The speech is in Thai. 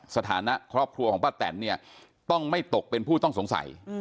สถานะครอบครัวของป้าแตนเนี่ยต้องไม่ตกเป็นผู้ต้องสงสัย